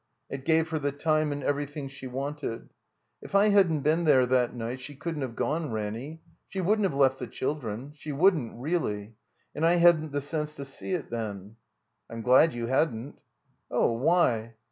It gave her the time and everything she wanted. If I hadn't been there that night she couldn't have gone, Ranny. She wouldn't have left the children. She wotddn't, reelly. And I hadn't the sense to see it then." I'm glad you hadn't." Oh, why?"